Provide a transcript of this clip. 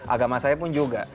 agama saya pun juga